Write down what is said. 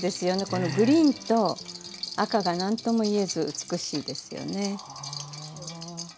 このグリーンと赤が何とも言えず美しいですよね。